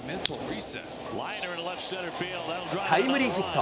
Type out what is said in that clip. タイムリーヒット。